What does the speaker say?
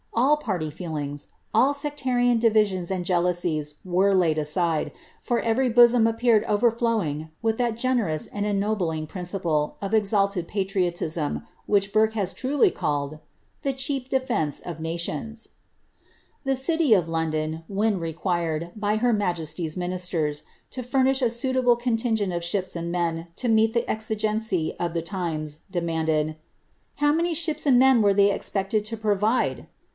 All partv feelings — rian divisions and jealousies were laid aside, for every bosom overflowing with ihat generous and ennobling principle of ex trioiism which Burke has truly called " the cheap defence of ni The city of London, when required, by her majesty's min furnish a suitable contingent of ships and men lo mret the eii| ihe times, demanded — "How many ships and men they were to provide